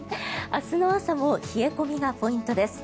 明日の朝も冷え込みがポイントです。